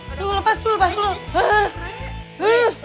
aduh lepas dulu lepas dulu